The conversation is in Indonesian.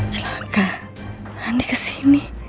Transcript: jelaka andi kesini